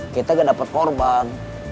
kita gak dapat korban